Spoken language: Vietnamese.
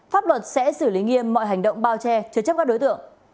pháp luật sẽ xử lý nghiêm mọi hành động bao che chứa chấp các đối tượng